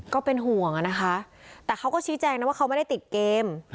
ก็เป็นห่วงอะนะคะแต่เขาก็ชี้แจงนะว่าเขาไม่ได้ติดเกม